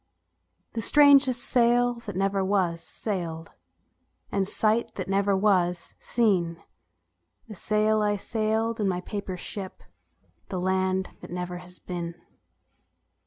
The strangest sail that never was sailed, And sight that never was seen The sail I sailed in my paper ship, The land that never has been.